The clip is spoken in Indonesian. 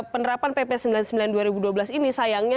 penerapan pp sembilan puluh sembilan dua ribu dua belas ini sayangnya